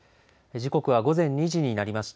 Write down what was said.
時刻は午前２時になりました